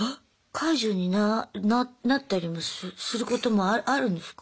解除にななったりもすることもあるんですか？